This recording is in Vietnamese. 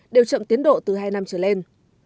đều chậm tiến độ từ hai năm trở lên